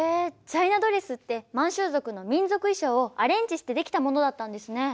チャイナドレスって満州族の民族衣装をアレンジして出来たものだったんですね。